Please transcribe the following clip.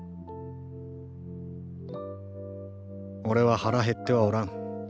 俺は腹減ってはおらん。